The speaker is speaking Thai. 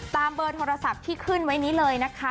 เบอร์โทรศัพท์ที่ขึ้นไว้นี้เลยนะคะ